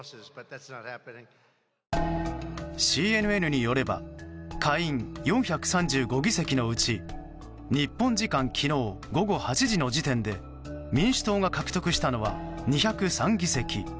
ＣＮＮによれば下院４３５議席のうち日本時間、昨日午後８時の時点で民主党が獲得したのは２０３議席。